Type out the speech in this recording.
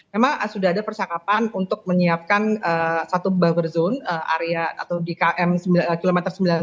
memang sudah ada percakapan untuk menyiapkan satu buffer zone area atau di km kilometer sembilan belas